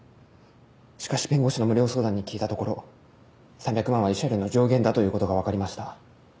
しかし弁護士の無料相談に聞いたところ３００万は慰謝料の上限だということがわかりました。